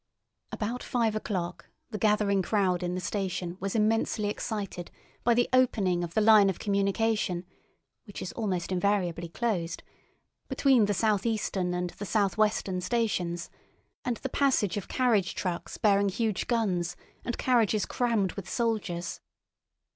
About five o'clock the gathering crowd in the station was immensely excited by the opening of the line of communication, which is almost invariably closed, between the South Eastern and the South Western stations, and the passage of carriage trucks bearing huge guns and carriages crammed with soldiers.